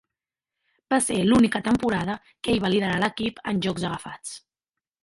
Va ser l'única temporada que ell va liderar l'equip en jocs agafats.